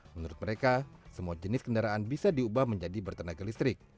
menurut mereka semua jenis kendaraan bisa diubah menjadi bertenaga listrik